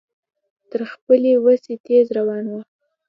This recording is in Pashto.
تر خپلې وسې تېز روان و.